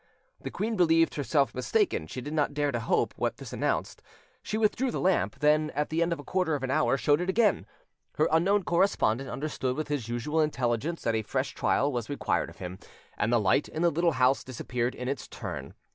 The queen believed herself mistaken: she did not dare to hope what this announced. She withdrew the lamp; then, at the end of a quarter of an hour, showed it again: her unknown correspondent understood with his usual intelligence that a fresh trial was required of him, and the light in the little house disappeared in its turn.